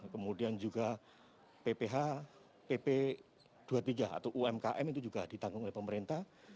kemudian juga pph pp dua puluh tiga atau umkm itu juga ditanggung oleh pemerintah